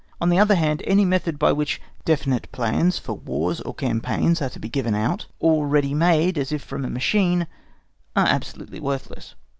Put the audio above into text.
On the other hand, any method by which definite plans for wars or campaigns are to be given out all ready made as if from a machine are absolutely worthless.